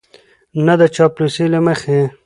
نه د چاپلوسۍ له مخې